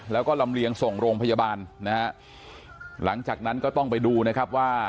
แล้วก็ลำเลียงส่งโรงพยาบาลนะฮะหลังจากนั้นก็ต้องไปดูนะครับว่า